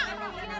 ada apaan nih lah